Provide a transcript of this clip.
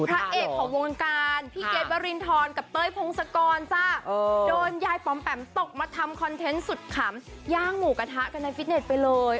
พระเอกของวงการพี่เกรทวรินทรกับเต้ยพงศกรจ้าโดนยายปอมแปมตกมาทำคอนเทนต์สุดขำย่างหมูกระทะกันในฟิตเน็ตไปเลย